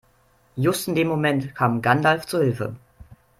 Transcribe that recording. Just in dem Moment kam Gandalf zu Hilfe.